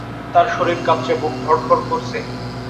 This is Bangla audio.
তাঁর শরীর কাঁপছে, বুক ধড়ফড় করছে।